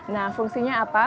nah fungsinya apa